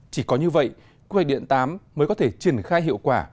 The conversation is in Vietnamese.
chỉ có như vậy quy hoạch điện tám mới có thể triển khai hiệu quả